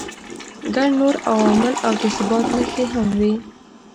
ګڼ نور عوامل او د ثبات نښې هم وي.